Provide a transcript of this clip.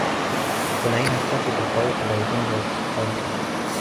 Kuna aina chache tofauti za ugonjwa wa kisukari